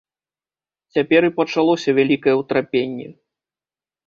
Цяпер і пачалося вялікае ўтрапенне.